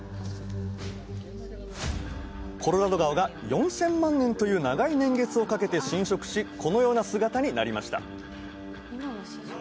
コロラド川が４０００万年という長い年月をかけて浸食しこのような姿になりました